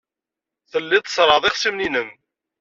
Tellid tṣerrɛed ixṣimen-nnem.